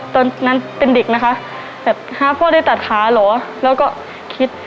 ตอนนั้นเป็นเด็กนะคะแบบหาพ่อได้ตัดขาเหรอแล้วก็คิด